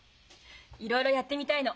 いろいろやってみたいの。